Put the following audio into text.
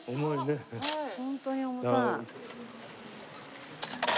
ホントに重たい。